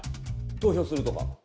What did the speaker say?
投票するとか。